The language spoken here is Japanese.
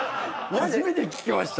初めて聞きました。